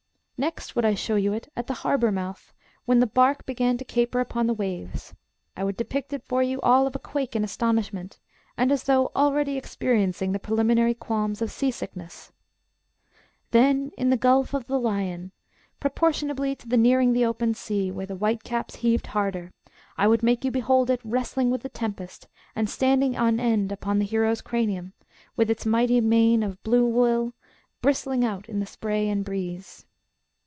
Next would I show you it at the harbour mouth, when the bark began to caper upon the waves; I would depict it for you all of a quake in astonishment, and as though already experiencing the preliminary qualms of sea sickness. Then, in the Gulf of the Lion, proportionably to the nearing the open sea, where the white caps heaved harder, I would make you behold it wrestling with the tempest, and standing on end upon the hero's cranium, with its mighty mane of blue wool bristling out in the spray and breeze.